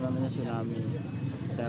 kebun saya cari nggak ada